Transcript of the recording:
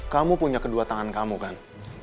kamu punya kedua tangan kamu kan